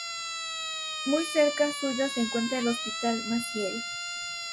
Muy cerca suyo se encuentra el Hospital Maciel.